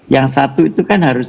yang satu itu kan harus